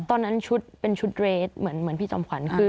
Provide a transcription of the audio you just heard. ตอนนั้นชุดเป็นชุดเรสเหมือนพี่จอมขวัญคือ